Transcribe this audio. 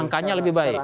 angkanya lebih baik